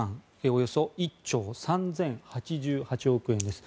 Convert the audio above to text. およそ１兆３０８８億円です。